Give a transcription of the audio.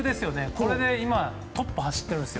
これで今トップ走ってるんです。